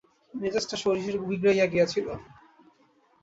মেজাজটা শশীর বিগড়াইয়া গিয়াছিল।